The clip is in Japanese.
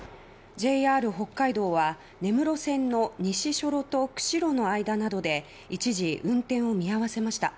ＪＲ北海道は根室線の西庶路と釧路の間などで一時運転を見合わせました。